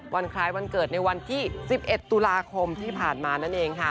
วันคล้ายวันเกิดในวันที่๑๑ตุลาคมที่ผ่านมานั่นเองค่ะ